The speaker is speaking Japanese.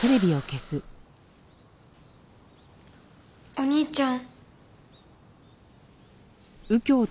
お兄ちゃん。